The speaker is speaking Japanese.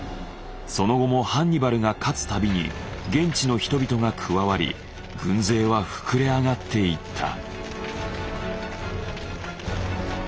その後もハンニバルが勝つ度に現地の人々が加わり軍勢は膨れ上がっていった。